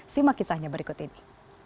simak kisahnya berikut ini